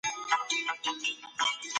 فیلسوفان له ټولني بېغمه نه وو.